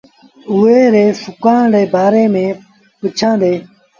اُئي ري سِکآڻ ري بآري ميݩ پُڇيآندي۔